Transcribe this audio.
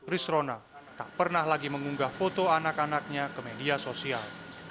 ris rona tak pernah lagi mengunggah foto anak anaknya ke media sosial